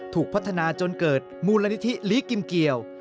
ถูกพัฒนาจนเกิดมูลนิธิลีกิมเกียว